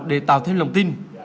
để tạo thêm lòng tin